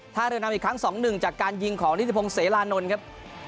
ท่าเริ่มนำอีกครั้งสองหนึ่งจากการยิงของนิทธิพงศ์เสรานนท์ครับ